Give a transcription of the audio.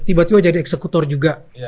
tiba tiba jadi eksekutor juga